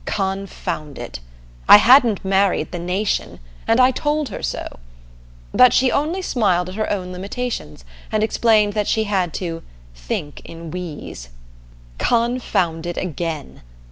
Confound it! I hadn't married the nation, and I told her so. But she only smiled at her own limitations and explained that she had to "think in we's." Confound it again!